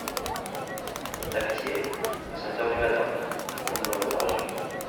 Un tapissier ! à sept heures du matin ! on ne l’aurait pas reçu !